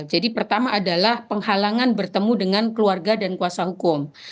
jadi pertama adalah penghalangan bertemu dengan keluarga dan kuasa hukum